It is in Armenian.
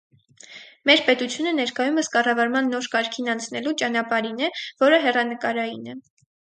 Մեր պետությունը ներկայումս կառավարման նոր կարգին անցնելու ճանապարհին է, որը հեռանկարային է։